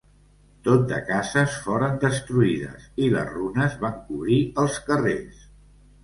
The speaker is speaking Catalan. Tot de cases foren destruïdes, i les runes van cobrir els carrers.